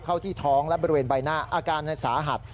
ที่ท้องและบริเวณใบหน้าอาการสาหัส